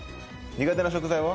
苦手な食材は？